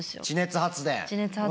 地熱発電。